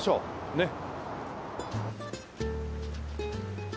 ねっ。